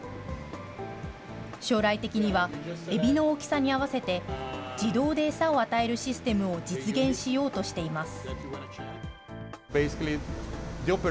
将来的には、エビの大きさに合わせて自動で餌を与えるシステムを実現しようとしています。